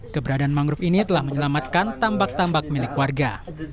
keberadaan mangrove ini telah menyelamatkan tambak tambak milik warga